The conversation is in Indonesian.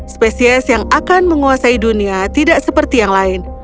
spesies yang akan menguasai dunia tidak seperti yang lain